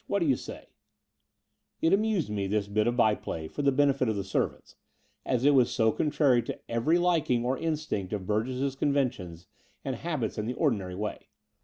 What do you say ?" It amused me, this bit of by play for the benefit of the servants, as it was so contrary to every liking or instinct of Burgess's conventions and habits in the ordinary way.